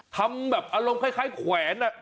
ทำแบบอารมณ์คล้ายแขวน